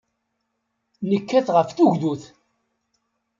Nekkat ɣef tugdut.